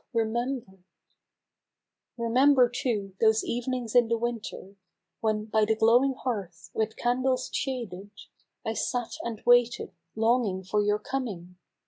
remember I Remember too, those evenings in the Winter, When, by the glowing hearth, with candles shaded, I sat and waited, longing for your coming